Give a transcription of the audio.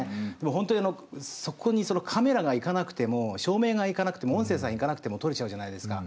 ホントにそこにカメラが行かなくても照明が行かなくても音声さん行かなくても撮れちゃうじゃないですか。